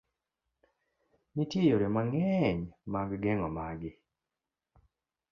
Nitie yore mang'eny mag geng'o magi.